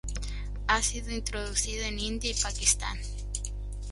Ha sido introducido en India y Pakistán.